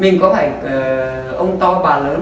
mình có phải ông to bà lớn